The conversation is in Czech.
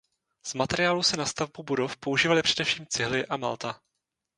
Z materiálů se na stavbu budov používaly především cihly a malta.